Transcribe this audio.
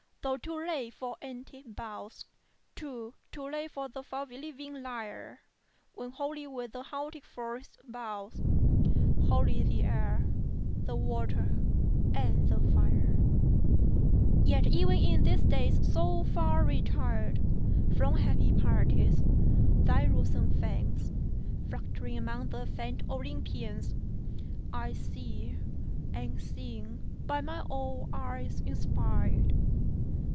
though too late for antique vows, Too, too late for the fond believing lyre, When holy were the haunted forest boughs, Holy the air, the water, and the fire; Yet even in these days so far retired 40 From happy pieties, thy lucent fans, Fluttering among the faint Olympians, I see, and sing, by my own eyes inspired.